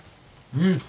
うん。